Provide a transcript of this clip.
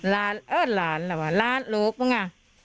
ล้านเอ้อล้านละว่ะล้านลูกมึงอ่ะ